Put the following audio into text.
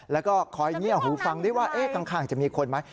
แล้วก็คอยเงียบหูฟังได้ว่าข้างจะมีคนไหม